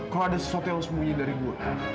kalau ada sesuatu yang sembunyi dari gue